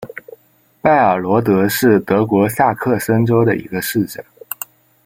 拜尔罗德是德国萨克森州的一个市镇。